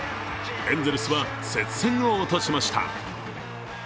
エンゼルスは接戦を落としました。